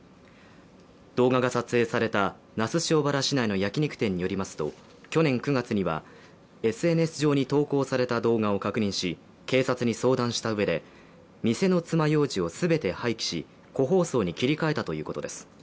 動画が撮影された那須塩原市内の焼き肉店によりますと、去年９月には、ＳＮＳ上に投稿された動画を確認し警察に相談したうえで店の爪楊枝をすべて廃棄し個包装に切り替えたということです。